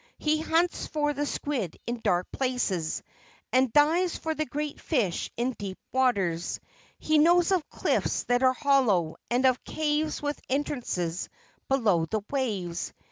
He hunts for the squid in dark places, and dives for the great fish in deep waters. He knows of cliffs that are hollow, and of caves with entrances below the waves.